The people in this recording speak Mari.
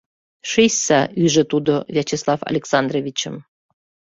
— Шичса, — ӱжӧ тудо Вячеслав Александровичым.